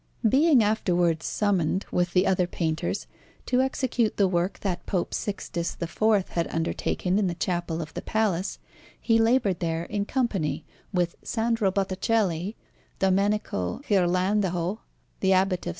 Being afterwards summoned, with the other painters, to execute the work that Pope Sixtus IV had undertaken in the Chapel of the Palace, he laboured there in company with Sandro Botticelli, Domenico Ghirlandajo, the Abbot of S.